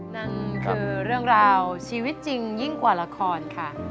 นั่นคือเรื่องราวชีวิตจริงยิ่งกว่าละครค่ะ